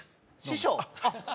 師匠？